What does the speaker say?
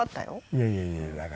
いやいやいやだからさ。